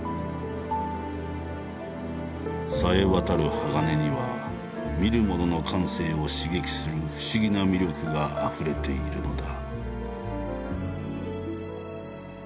冴えわたる鋼には見る者の感性を刺激する不思議な魅力があふれているのだ。